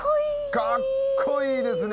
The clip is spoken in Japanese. かっこいいですね！